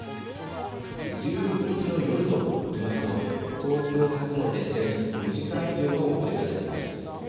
１６日の夜と言いますと東京発の列車に４時間以上の遅れが出ていました。